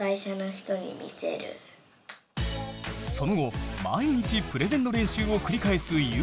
その後毎日プレゼンの練習を繰り返すゆうまくん。